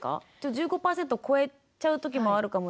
１５％超えちゃう時もあるかもですけど。